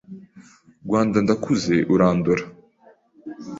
Rwanda ndakuze urandora